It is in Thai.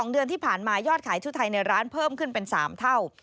เดือนที่ผ่านมายอดขายชุดไทยในร้านเพิ่มขึ้นเป็น๓เท่า